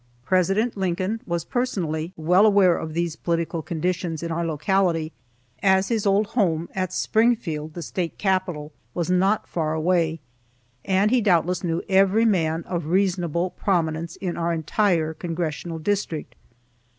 President Lincoln was personally well aware of these political conditions in our locality, as his old home, at Springfield, the State Capital, was not far away, and he doubtless knew every man of reasonable prominence in our entire Congressional District.